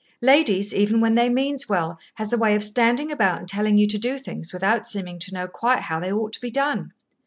Ladies, even when they means well, has a way of standing about and telling you to do things without seeming to know quite how they ought to be done.